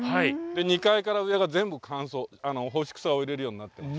２階から上が全部乾燥干し草を入れるようになっています。